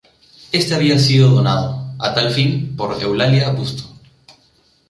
Éste había sido donado, a tal fin, por Eulalia Busto.